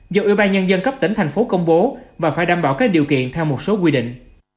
do ủy ban nhân dân cấp tỉnh thành phố công bố và phải đảm bảo các điều kiện theo một số quy định